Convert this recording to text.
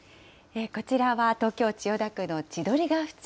こちらは東京・千代田区の千鳥ヶ淵。